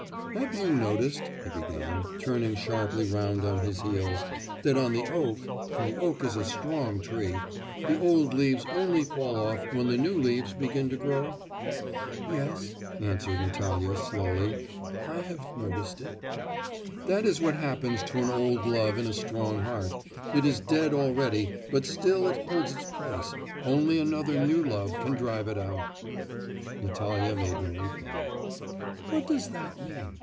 'Have you noticed,' he began, turning sharply round on his heels, 'that on the oak and the oak is a strong tree the old leaves only fall off when the new leaves begin to grow?' 'Yes,' answered Natalya slowly, 'I have noticed it.' 'That is what happens to an old love in a strong heart; it is dead already, but still it holds its place; only another new love can drive it out.' Natalya made no reply. 'What does that mean?